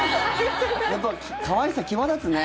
やっぱ可愛さ際立つね。